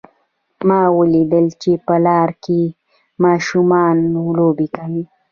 ما ولیدل چې په لاره کې ماشومان لوبې کوي